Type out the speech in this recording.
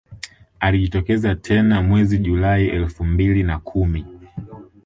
Alijitokeza tena mwezi Julai elfu mbili na kumi